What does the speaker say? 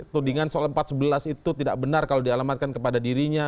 tudingan soal empat sebelas itu tidak benar kalau dialamatkan kepada dirinya